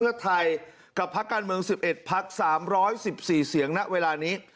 พระพระเมือง๑๑พัก๓๑๔เสียงณเวลานี้